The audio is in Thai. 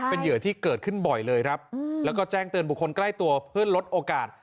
เป็นเหยื่อที่เกิดขึ้นบ่อยเลยครับแล้วก็แจ้งเตือนบุคคลใกล้ตัวเพื่อลดโอกาส